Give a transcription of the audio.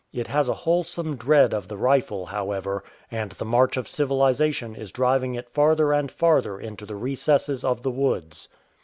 It has a whole some dread of the rifle, however, and the march of civili zation is driving it farther and farther into the recesses of the woods.